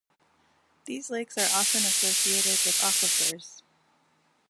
These lakes are often associated with aquifers.